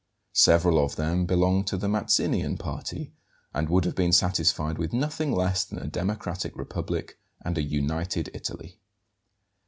Several of them belonged to the Mazzinian party and would have been satisfied with nothing less than a democratic Republic and a United Italy.